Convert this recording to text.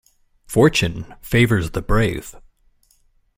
Fortune favours the brave.